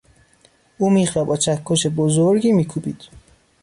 او میخ را با چکش بزرگی میکوبید.